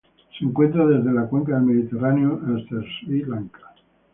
Se encuentra desde la Cuenca del Mediterráneo hasta Sri Lanka.